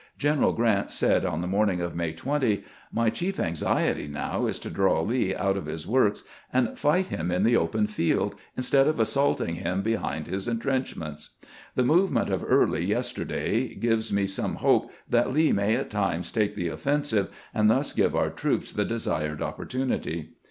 General G rant said on the morning of May 20 :" My chief anxiety now is to draw Lee out of his works and fight him in the open field, instead of assaulting him behind his intrenchments. The movement of Early yesterday gives me some hope that Lee may at times take the offensive, and thus give our troops the desired opportunity."